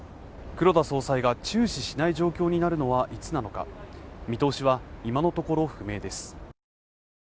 黒田総裁が注視しない状況になるのはいつなのか、見通しは今のところ不明です。